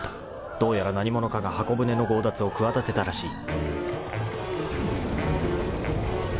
［どうやら何者かが箱舟の強奪を企てたらしい］